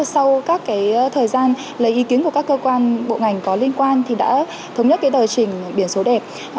sau các thời gian lấy ý kiến của các cơ quan bộ ngành có liên quan thì đã thống nhất tờ trình biển số đẹp